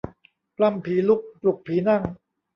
ปล้ำผีลุก ปลุกผีนั่ง